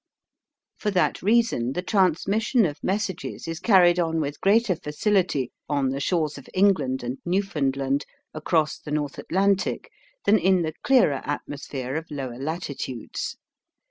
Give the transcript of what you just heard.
For that reason the transmission of messages is carried on with greater facility on the shores of England and Newfoundland across the North Atlantic than in the clearer atmosphere of lower latitudes.